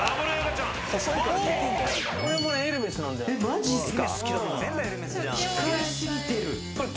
マジすか。